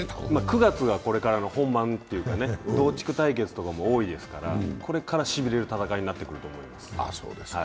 ９月がこれからの本番というか、同地区対決とかも多いですからこれからしびれる戦いなると思います。